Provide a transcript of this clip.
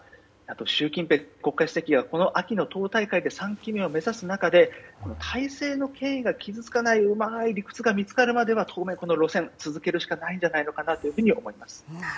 習近平国家主席がこの秋の党大会で３期目を目指す中で体制の権威が傷つかないうまい理屈が見つかるまでは当面、この路線を続けるしかないのではと思います。